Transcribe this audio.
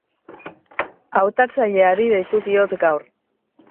Hautatzaileari deitu diot gaur.